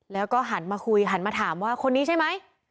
แล้วก็หันมาคุยหันมาถามว่าคนนี้ใช่ไหม